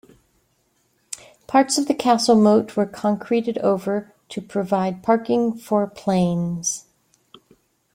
Parts of the castle moat were concreted over to provide parking for planes.